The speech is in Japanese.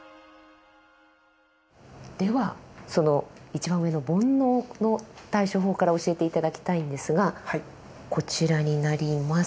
ではその一番上の「煩悩」の対処法から教えて頂きたいんですがこちらになります。